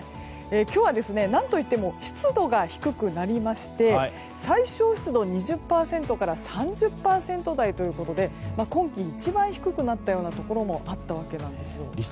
今日は、何といっても湿度が低くなりまして最小湿度は２０％台から３０％台ということで今季一番低くなったようなところもあったわけなんです。